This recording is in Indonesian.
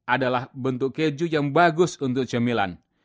adalah bentuk keju yang bagus untuk cemilan